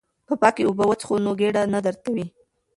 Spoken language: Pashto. که پاکې اوبه وڅښو نو ګېډه نه درد کوي.